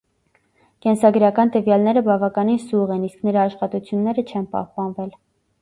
Կենսագրական տվյալները բավականին սուղ են, իսկ նրա աշխատությունները չեն պահպանվել։